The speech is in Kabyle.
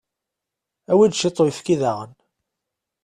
Awi-d ciṭ n uyefki daɣen.